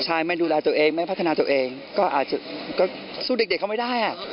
ใช่ไม่ดูแลตัวเองไม่พัฒนาตัวเองก็อาจจะก็สู้เด็กเขาไม่ได้